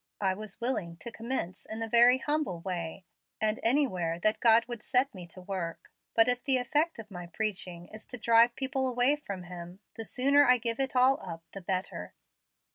I was willing to commence in a very humble way, and anywhere that God would set me to work; but if the effect of my preaching is to drive people away from Him, the sooner I give it all up the better."